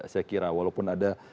saya kira walaupun ada